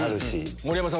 盛山さん